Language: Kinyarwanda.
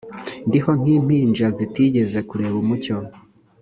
ndiho nk impinja zitigeze kureba umucyo